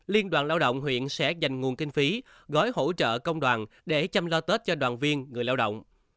liên đoàn lao động huyện sẽ dành nguồn kinh phí gói hỗ trợ công đoàn để chăm lo tết cho đoàn viên người lao động